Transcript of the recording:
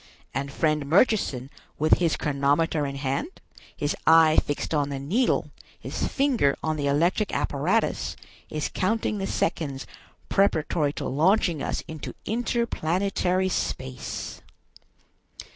And friend Murchison, with his chronometer in hand, his eye fixed on the needle, his finger on the electric apparatus, is counting the seconds preparatory to launching us into interplanetary space."